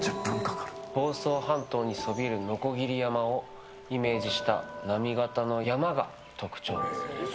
房総半島にそびえる鋸山をイメージした波型の山が特徴。